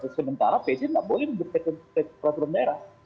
sementara pc tidak boleh menjadikan keputusan daerah